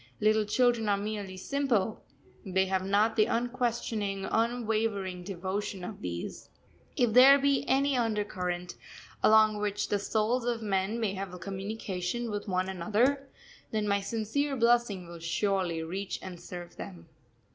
Little children are merely simple, they have not the unquestioning, unwavering devotion of these. If there be any undercurrent along which the souls of men may have communication with one another, then my sincere blessing will surely reach and serve them.